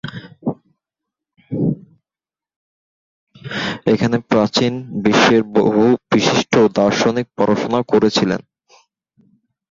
এখানে প্রাচীন বিশ্বের বহু বিশিষ্ট দার্শনিক পড়াশোনা করেছিলেন।